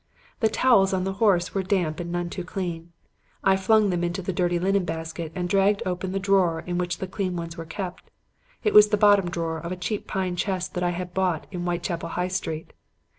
The towels on the horse were damp and none too clean. I flung them into the dirty linen basket and dragged open the drawer in which the clean ones were kept. It was the bottom drawer of a cheap pine chest that I had bought in Whitechapel High Street.